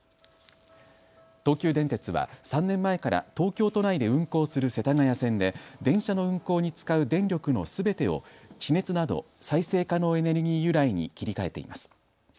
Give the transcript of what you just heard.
東急電鉄は３年前から東京都内で運行する世田谷線で電車の運行に使う電力のすべてを地熱など再生可能エネルギー由来に切り替えています。